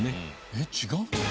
えっ違うの？